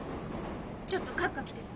ちょっとカッカ来てるの。